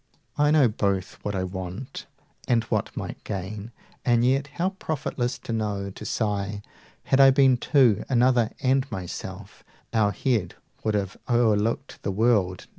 I know both what I want and what might gain, 100 And yet how profitless to know, to sigh "Had I been two, another and myself, Our head would have o'erlooked the world!"